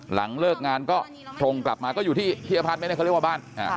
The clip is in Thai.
หลังเลิกงานก็ตรงกลับมาก็อยู่ที่อพาร์ทไม่ได้เขาเรียกว่าบ้าน